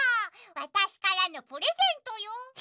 わたしからのプレゼントよ。